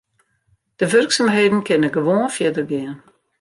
De wurksumheden kinne gewoan fierder gean.